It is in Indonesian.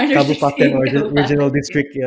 kabupaten atau distrik asal